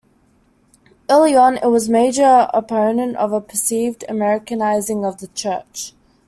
Early on, it was a major opponent of a perceived "Americanizing" of the Church.